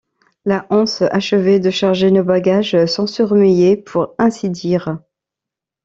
Là, Hans achevait de charger nos bagages sans se remuer, pour ainsi dire.